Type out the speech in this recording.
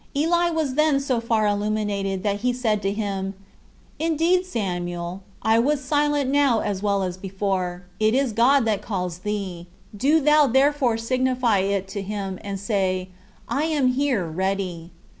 Eli was then so far illuminated, that he said to him, "Indeed, Samuel, I was silent now as well as before: it is God that calls thee; do thou therefore signify it to him, and say, I am here ready."